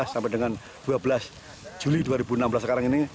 sampai dengan dua belas juli dua ribu enam belas sekarang ini